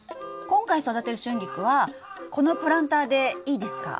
今回育てるシュンギクはこのプランターでいいですか？